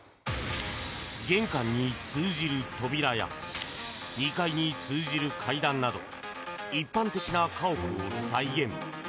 玄関に通じる扉や２階に通じる階段など一般的な家屋を再現。